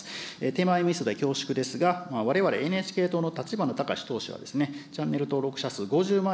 手前みそで恐縮ですが、われわれＮＨＫ党の立花孝志党首は、チャンネル登録者数５０万